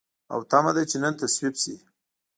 او تمه ده چې نن تصویب شي.